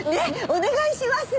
お願いします！